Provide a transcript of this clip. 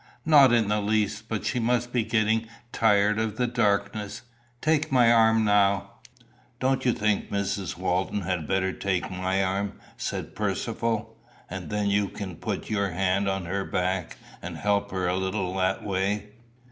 "Not in the least; but she must be getting tired of the darkness. Take my arm now." "Don't you think Mrs. Walton had better take my arm," said Percivale, "and then you can put your hand on her back, and help her a little that way."